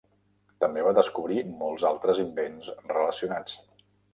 També va descobrir molts altres invents relacionats.